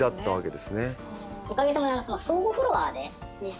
おかげさまで。